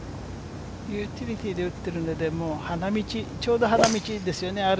ユーティリティーで打っているので、ちょうど花道ですよね。